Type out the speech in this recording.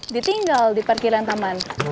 ditinggal di parkiran taman